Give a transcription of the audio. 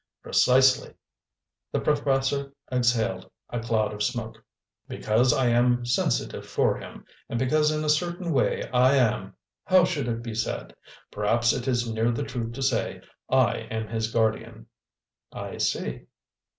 "Precisely." The professor exhaled a cloud of smoke. "Because I am sensitive for him, and because in a certain way I am how should it be said? perhaps it is near the truth to say, I am his guardian." "I see."